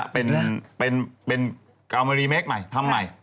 เป็นกาโมรีเมคใหม่ทำใหม่